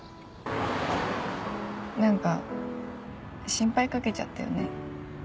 何か心配かけちゃったよね。